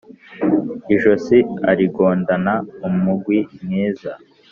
ijosi arigondana umugwi mwiza